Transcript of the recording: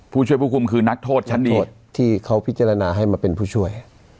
ผู้ช่วยผู้คุมคือนักโทษชั้นดีที่เขาพิจารณาให้มาเป็นผู้ช่วย